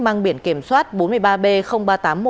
mang biển kiểm soát bốn mươi ba b ba nghìn tám trăm một mươi hai